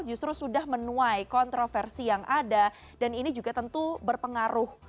justru sudah menuai kontroversi yang ada dan ini juga tentu berpengaruh